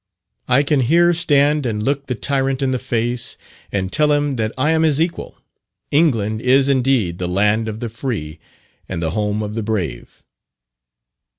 I can here stand and look the tyrant in the face, and tell him that I am his equal! England is, indeed, the "land of the free, and the home of the brave."